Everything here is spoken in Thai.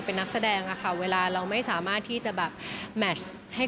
เดี๋ยวแสดงมาขึ้นมาว่าปุ๊บลูกสนิทกับพี่มิน